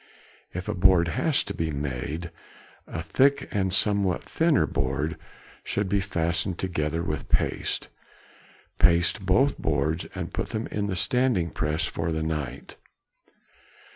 If a board has to be made, a thick and a somewhat thinner board should be fastened together with paste. Paste both boards and put them in the standing press for the night.